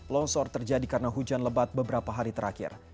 longsor terjadi karena hujan lebat beberapa hari terakhir